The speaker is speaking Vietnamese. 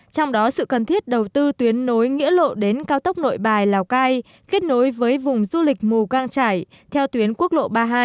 trong đó sự cần thiết đầu tư tuyến nối nghĩa lộ đến cao tốc nội bài lào cai kết nối với vùng du lịch mù cang trải theo tuyến quốc lộ ba mươi hai